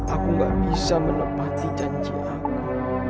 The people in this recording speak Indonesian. aku gak bisa menepati janji aku